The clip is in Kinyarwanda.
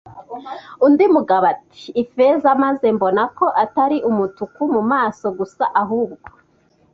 Undi mugabo ati: "Ifeza," maze mbona ko atari umutuku mu maso gusa, ahubwo